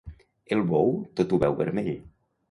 El bou tot ho veu vermell.